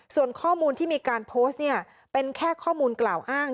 ส่วนข้อมูลที่มีการโพสต์เนี่ยเป็นแค่ข้อมูลกล่าวอ้าง